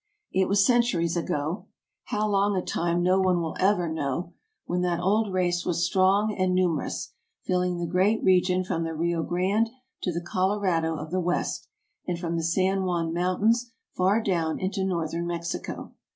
It was centuries ago — how long a time no one will ever know — when that old race was strong and numerous, filling the great region from the Rio Grande to the Colorado of the West, and from the San Juan Mountains far down into North ern Mexico.